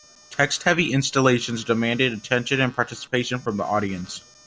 Text-heavy Installations demanded attention and participation from the audience.